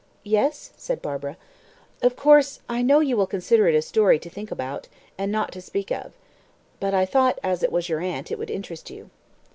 "Yes?" said Barbara. "Of course, I know you will consider it a story to think about and not to speak of. But I thought, as it was your aunt, it would interest you."